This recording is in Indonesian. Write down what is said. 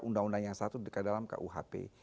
undang undang yang satu dekat dalam kuhp